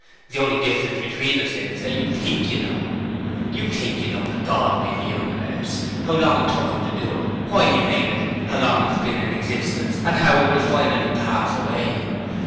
The only difference between us is that you THINK you know. You think you know that God made the universe; how long it took Him to do it; why He made it; how long it's been in existence and how it will finally pass away.